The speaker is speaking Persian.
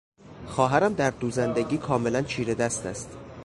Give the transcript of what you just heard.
خواهرم در دوزندگی کاملا چیرهدست است.